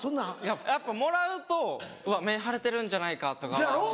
やっぱもらうと目腫れてるんじゃないかとか。